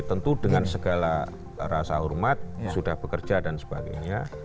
tentu dengan segala rasa hormat sudah bekerja dan sebagainya